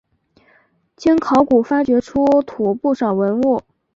经考古发掘出土不少文物。